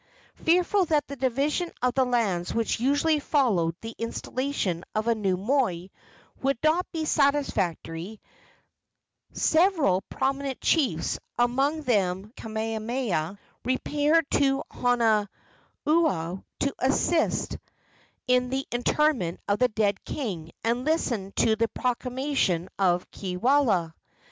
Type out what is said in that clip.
Fearful that the division of lands which usually followed the installation of a new moi would not be satisfactory, several prominent chiefs, among them Kamehameha, repaired to Honaunau to assist in the interment of the dead king and listen to the proclamation of Kiwalao.